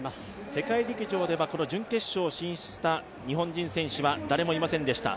世界陸上ではこの準決勝進出した日本人選手は誰もいませんでした。